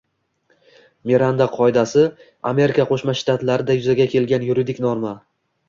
Miranda qoidasi Amerika Qo‘shma Shtatlarida yuzaga kelgan yuridik norma